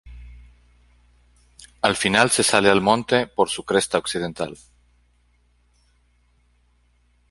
Al final se sale al monte por su cresta occidental.